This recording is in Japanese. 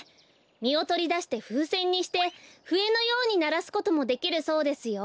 みをとりだしてふうせんにしてふえのようにならすこともできるそうですよ。